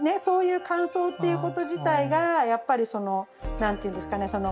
そういう感想っていうこと自体がやっぱりその何ていうんですかね